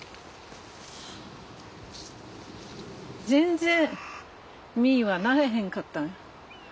全然実はなれへんかった。